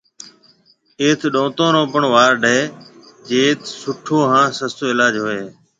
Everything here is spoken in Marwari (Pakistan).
ايٿ ڏونتون رو پڻ وارڊ ھيََََ جيٽ سُٺو ھان سستو علاج ھوئيَ ھيََََ۔